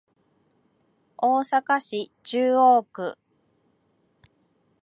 大阪市中央区